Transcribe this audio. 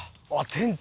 店長！